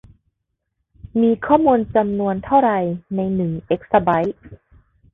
มีข้อมูลจำนวนเท่าไรในหนึ่งเอกซะไบท์